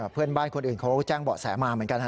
เพื่อนบ้านคนอื่นเขาแจ้งเบาะแสมาเหมือนกัน